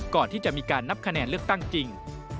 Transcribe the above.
ก่อนที่จะมีการนับคะแนนเลือกตั้งจริง